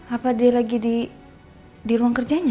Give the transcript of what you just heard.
apa dia lagi di ruang kerjanya